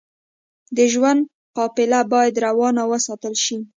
د ژوند قافله بايد روانه وساتل شئ.